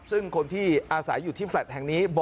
ซึ่งคนที่อาศัยอยู่ที่แฟลต์แห่งนี้